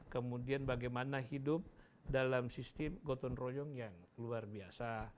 kemudian bagaimana hidup dalam sistem gotong royong yang luar biasa